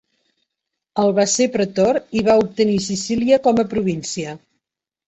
El va ser pretor i va obtenir Sicília com a província.